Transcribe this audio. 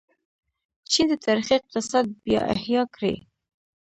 چین د تاریخي اقتصاد بیا احیا کړې.